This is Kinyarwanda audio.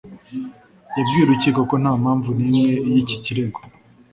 babwiye urukiko ko nta mpamvu n’imwe y’iki kirego